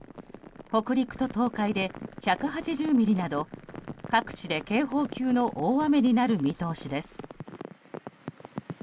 北陸と東海で１８０ミリなど各地で警報級の大雨になる見通しです。